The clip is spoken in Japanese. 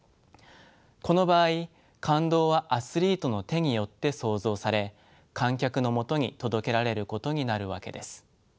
この場合感動はアスリートの手によって創造され観客のもとに届けられることになるわけです。